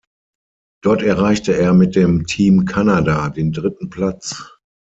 Dort erreichte er mit dem Team Kanada den dritten Platz.